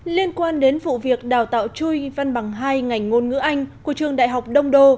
liên quan đến vụ việc đào tạo chui văn bằng hai ngành ngôn ngữ anh của trường đại học đông đô